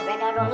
buka buka buka